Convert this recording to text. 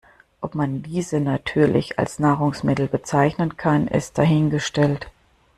Ob man diese natürlich als Nahrungsmittel bezeichnen kann, ist dahingestellt.